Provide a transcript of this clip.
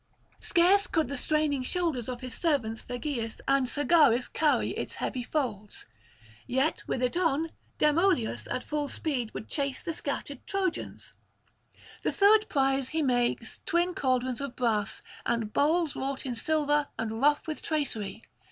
Scarce could the straining shoulders of his servants Phegeus and Sagaris carry its heavy folds; yet with it on, Demoleos at [265 302]full speed would chase the scattered Trojans. The third prize he makes twin cauldrons of brass, and bowls wrought in silver and rough with tracery.